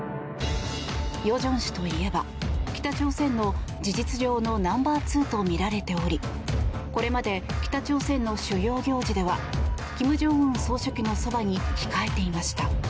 与正氏といえば北朝鮮の事実上のナンバーツーとみられておりこれまで北朝鮮の主要行事では金正恩総書記のそばに控えていました。